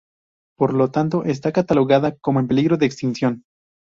Por lo tanto, está catalogada como en peligro de extinción.